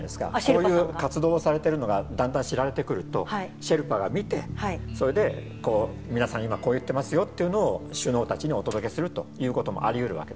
こういう活動をされてるのがだんだん知られてくるとシェルパが見てそれでこう皆さん今こう言ってますよっていうのを首脳たちにお届けするということもありうるわけですよね。